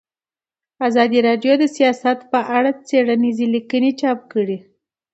ازادي راډیو د سیاست په اړه څېړنیزې لیکنې چاپ کړي.